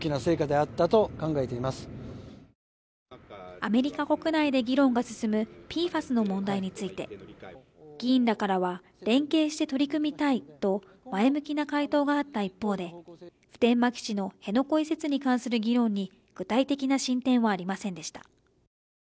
アメリカ国内で議論が進むＰＦＡＳの問題について議員らからは連携して取り組みたいと前向きな回答があった一方で、普天間基地の辺野古移設に関する議論に具体的な進展はありませんでした。